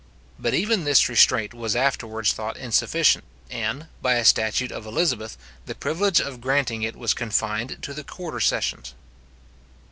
But even this restraint was afterwards thought insufficient, and, by a statute of Elizabeth, the privilege of granting it was confined to the quarter sessions.